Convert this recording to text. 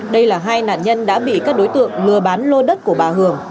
đây là hai nạn nhân đã bị các đối tượng lừa bán lô đất của bà hưởng